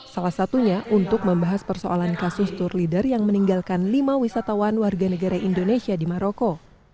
salah satunya untuk membahas persoalan kasus tour leader yang meninggalkan lima wisatawan warga negara indonesia di maroko